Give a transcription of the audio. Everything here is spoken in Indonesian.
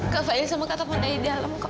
kak fadl sama kata kata dia di dalam kok